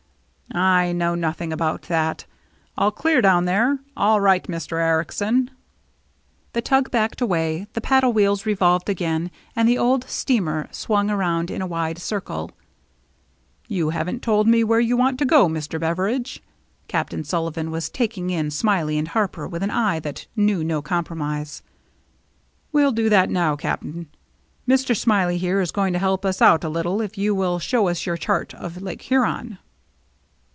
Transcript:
" I know nothing about that. All clear down there ? All right, Mr. Ericsen !" The tug backed away, the paddle wheels revolved again, and the old steamer swung around in a wide circle. "You haven't told me where you want to go, Mr. Beveridge." Captain Sullivan was taking in Smiley and Harper with an eye that knew no compromise. "We'll do that now, Cap'n. Mr. Smiley here is going to help us out a little if you will show us your chart of Lake Huron."